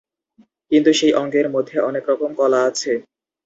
কিন্তু সেই অঙ্গের মধ্যে অনেক রকম কলা আছে।